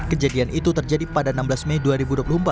kejadian itu terjadi pada enam belas mei dua ribu dua puluh empat